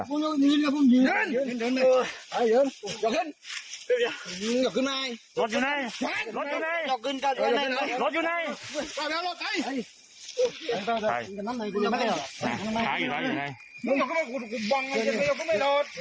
โอ้ยเยอะโอ้ยแยะอยากขึ้นไงรถอยู่ในรถอยู่ไหนเรากลับไปรถอยู่ใน